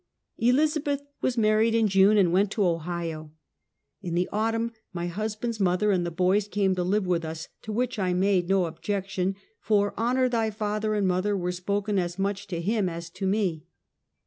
Elizabeth was married in June, and went to Ohio. In the autumn, my husband's mother and the boys came to live with us, to which I made no objection, for " honor thy father and mother " was spoken as much to him as to me.